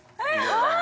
あっ！